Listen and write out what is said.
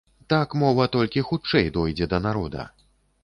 Так мова толькі хутчэй дойдзе да народа.